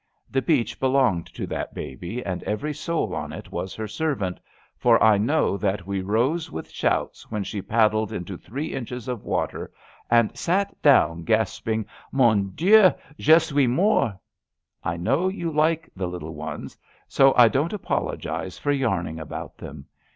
The beach belonged to that baby, and every soul on it was her servant, for I know that we rose with shouts when she paddled into three inches of water and sat down, gasping: *' Mon Dieul Je suis morti '^ I know you like the little ones, so I 218 ABAFT THE FUNNEL don't apologize for yarning abont them.